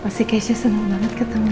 pasti cashnya senang banget ketemu